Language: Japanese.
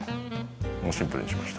もうシンプルにしました。